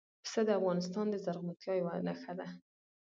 پسه د افغانستان د زرغونتیا یوه نښه ده.